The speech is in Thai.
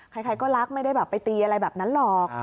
ใครก็รักไม่ได้แบบไปตีอะไรแบบนั้นหรอก